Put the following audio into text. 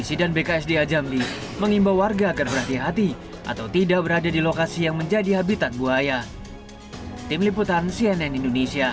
sebelumnya babi hutan yang menyerang ahmad